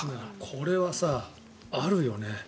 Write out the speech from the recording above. これはあるよね。